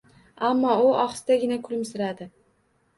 Ammo u ohistagina kulimsiradi: